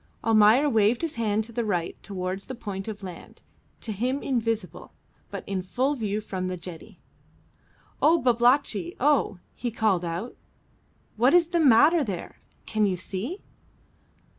Almayer waved his hand to the right towards the point of land, to him invisible, but in full view from the jetty. "Oh, Babalatchi! oh!" he called out; "what is the matter there? can you see?"